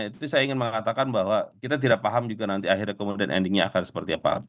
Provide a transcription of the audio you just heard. itu saya ingin mengatakan bahwa kita tidak paham juga nanti akhirnya kemudian endingnya akan seperti apa